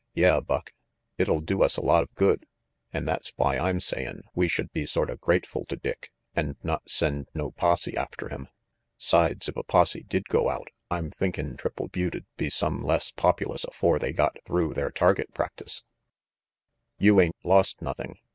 Yeah, Buck, it'll do us a lot of good, an' that's why I'm sayin' we should be sorta grateful to Dick and not send no posse after him. 'Sides, if a posse did go out, I'm thinkin' Triple Butte'd be some less pop ulous afore they got through their target practice " RANGY PETE 47 <r You ain't lost nothing.